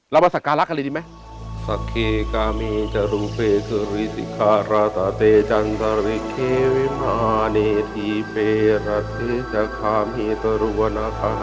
เรามาสักการักษ์กันเลยดีไหม